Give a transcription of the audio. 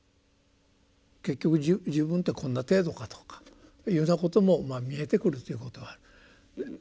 結局自分ってこんな程度かとかいうようなこともまあ見えてくるということがある。